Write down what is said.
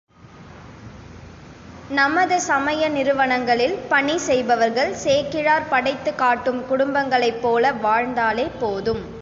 நமது சமய நிறுவனங்களில் பணி செய்பவர்கள், சேக்கிழார் படைத்துக் காட்டும் குடும்பங்களைப்போல வாழ்ந்தாலே போதும்.